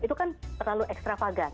itu kan terlalu extravagant